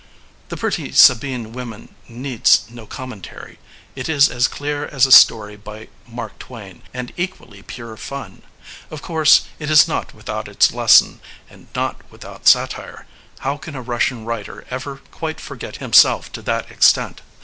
The Pretty Sabine Women needs no commentary. It is as clear as a story by Mark Twain, and equally pure fun. Of course it is not without its lesson, and not without satire. How can a Russian writer ever quite forget himself to that extent?